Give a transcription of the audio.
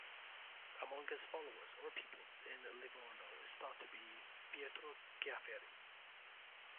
Among his followers or pupils in Livorno is thought to be Pietro Ciafferi.